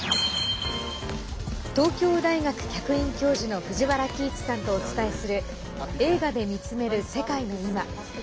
東京大学客員教授の藤原帰一さんとお伝えする「映画で見つめる世界のいま」。